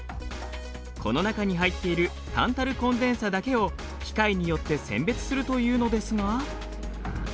この中に入っているタンタルコンデンサだけを機械によって選別するというのですが。